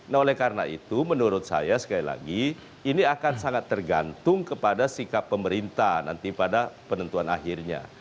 nah oleh karena itu menurut saya sekali lagi ini akan sangat tergantung kepada sikap pemerintah nanti pada penentuan akhirnya